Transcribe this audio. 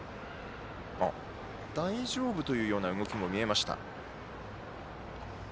大丈夫というような動きも見えました。